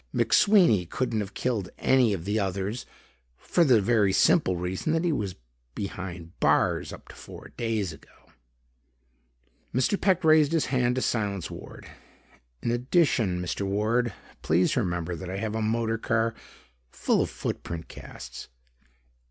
McSweeney couldn't have killed any of the others, for the very simple reason that he has been behind bars up to four days ago." Mr. Peck raised his hand to silence Ward. "In addition, Mr. Ward, please remember that I have a motor car full of foot print casts.